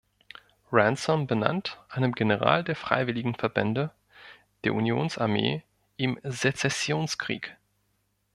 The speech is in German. Ransom benannt, einem General der Freiwilligenverbände der Unionsarmee im Sezessionskrieg.